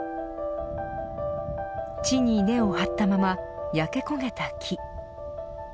地に根を張ったまま焼け焦げた木。